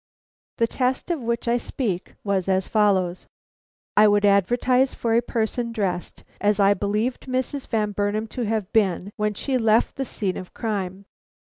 The test of which I speak was as follows: I would advertise for a person dressed as I believed Mrs. Van Burnam to have been when she left the scene of crime.